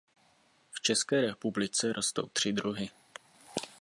V České republice rostou tři druhy.